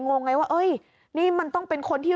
งงไงว่าเอ้ยนี่มันต้องเป็นคนที่